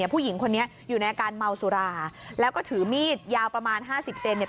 ผู้หญิงคนนี้อยู่ในอาการเมาสุราแล้วก็ถือมีดยาวประมาณห้าสิบเซนเนี่ย